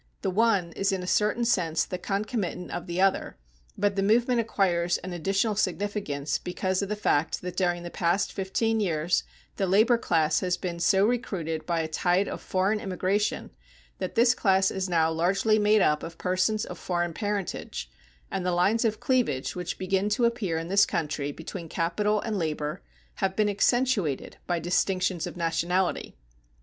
The one is in a certain sense the concomitant of the other, but the movement acquires an additional significance because of the fact that during the past fifteen years the labor class has been so recruited by a tide of foreign immigration that this class is now largely made up of persons of foreign parentage, and the lines of cleavage which begin to appear in this country between capital and labor have been accentuated by distinctions of nationality.